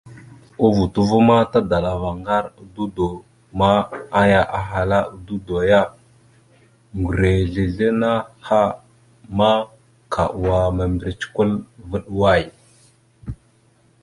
A vuto va, tadalavara ŋgar a dudo ma, aya ahala a dudo ya: Ŋgureslesla naha ma, ka wa ana mèmbirec kwal vaɗ way?